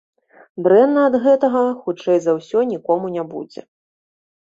Дрэнна ад гэтага хутчэй за ўсё нікому не будзе.